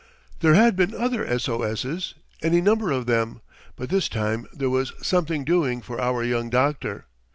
There had been other S O S's any number of them but this time there was something doing for our young doctor.